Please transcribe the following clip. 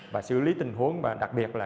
và xử lý tình huống và đặc biệt là